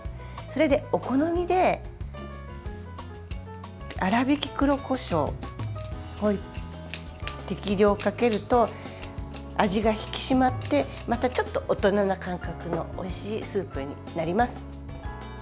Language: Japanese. それで、お好みで粗びき黒こしょうを適量かけると味が引き締まってまたちょっと大人な感覚のおいしいスープになります。